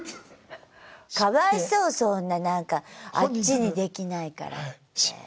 かわいそうそんななんかあっちにできないからって。